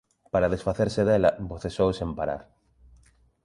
Para desfacerse dela, bocexou sen parar.